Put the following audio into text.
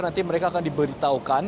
nanti mereka akan diberitahukan